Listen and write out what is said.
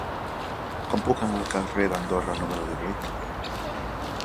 Com puc anar al carrer d'Andorra número divuit?